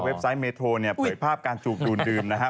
เว็บไซต์เมทรโตรเนี่ยเผยภาพการจูบดูดดื่มนะฮะ